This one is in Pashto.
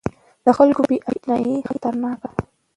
د خلکو بې اعتنايي خطرناکه ده